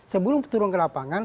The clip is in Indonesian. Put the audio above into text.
sebelum turun ke lapangan